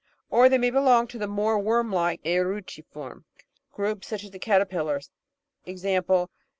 or they may belong to the more wormlike (cruciform) group, such as caterpillars (i.e.